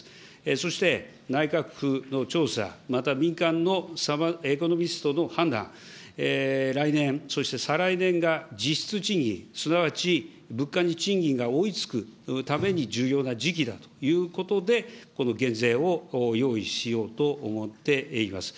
そして内閣府の調査、また民間のエコノミストの判断、来年、そして再来年が実質賃金、すなわち物価に賃金が追いつくために重要な時期だということで、この減税を用意しようと思っています。